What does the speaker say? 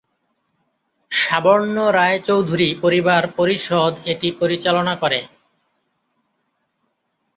সাবর্ণ রায় চৌধুরী পরিবার পরিষদ এটি পরিচালনা করে।